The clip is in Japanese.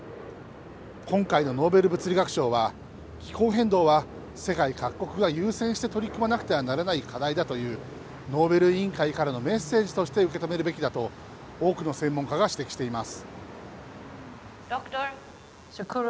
今回のノーベル物理学賞は、気候変動は世界各国が優先して取り組まなくてはならない課題だという、ノーベル委員会からのメッセージとして受け止めるべきだと、多くの専門家が指摘しています。